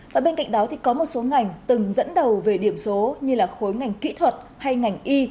và bên cạnh đó thì có một số ngành từng dẫn đầu về điểm số như là khối ngành kỹ thuật hay ngành y